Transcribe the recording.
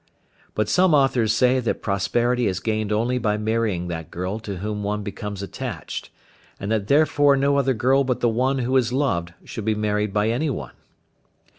But some authors say that prosperity is gained only by marrying that girl to whom one becomes attached, and that therefore no other girl but the one who is loved should be married by anyone.